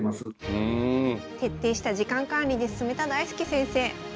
徹底した時間管理で進めた大介先生。